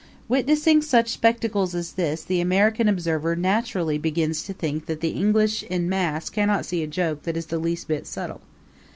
Witnessing such spectacles as this, the American observer naturally begins to think that the English in mass cannot see a joke that is the least bit subtle.